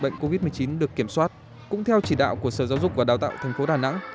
bệnh covid một mươi chín được kiểm soát cũng theo chỉ đạo của sở giáo dục và đào tạo thành phố đà nẵng